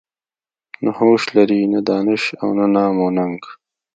نه هوش لري نه دانش او نه نام و ننګ.